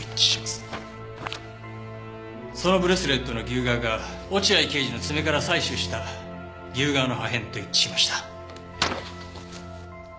そのブレスレットの牛革が落合刑事の爪から採取した牛革の破片と一致しました。